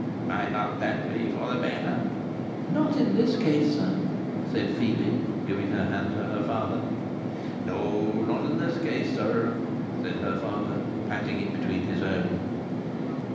"Might not that be for the better?" "Not in this case, sir," said Phœbe, giving her hand to her father. "No, not in this case, sir," said her father, patting it between his own.